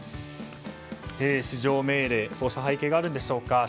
至上命令そうした背景があるんでしょうか。